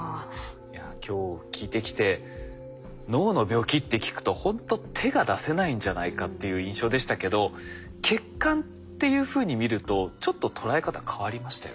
いや今日聞いてきて脳の病気って聞くとほんと手が出せないんじゃないかっていう印象でしたけど血管っていうふうに見るとちょっと捉え方変わりましたよね。